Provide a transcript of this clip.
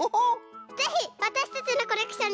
ぜひわたしたちのコレクションにさせてね。